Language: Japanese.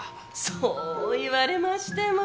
そう言われましても。